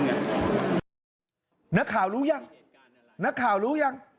นักข่าวรู้ยังนักข่าวรู้ยัง